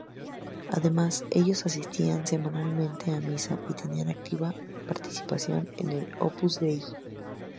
Además, ellos asistían semanalmente a misa y tenían activa participación en el Opus Dei.